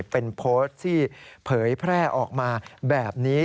เป็นโพสต์ที่เผยแพร่ออกมาแบบนี้